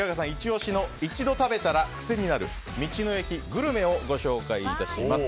オススメの一度食べたら癖になる道の駅グルメをご紹介致します。